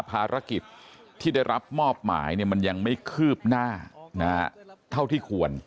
ภารกิจที่ได้รับมอบหมายมันยังไม่คืบหน้าเท่าที่ควร